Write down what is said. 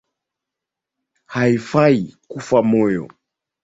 Haifai kufa moyo